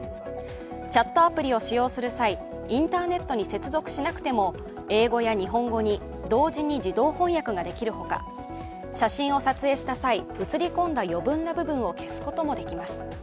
チャットアプリを使用する際インターネットに接続しなくても英語や日本語に同時に自動翻訳ができる他、写真を撮影した際、写り込んだ余分な部分を消すこともできます。